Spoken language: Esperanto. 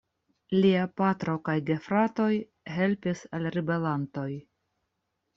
Lia patro kaj gefratoj helpis al ribelantoj.